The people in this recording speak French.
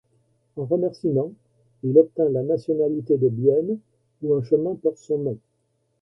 En remerciement, il obtint la nationalité de Bienne, où un chemin porte son nom.